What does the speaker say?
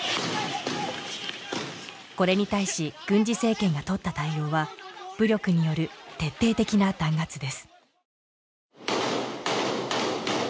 これに対し軍事政権がとった対応は武力による徹底的な弾圧です